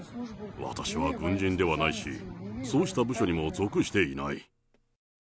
私は軍人ではないし、そうした部署にも属していない。